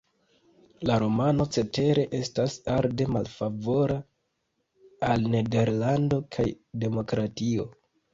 La romano, cetere, estas arde malfavora al Nederlando kaj demokratio.